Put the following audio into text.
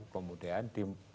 kemudian diberikan ya